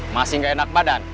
masih gak enak badan